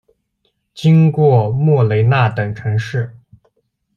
经过莫雷纳等城市。